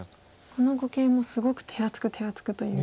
この碁形もすごく手厚く手厚くという。